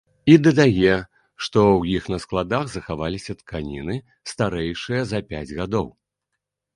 І дадае, што ў іх на складах захаваліся тканіны, старэйшыя за пяць гадоў!